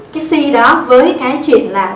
cái si đó với cái chuyện là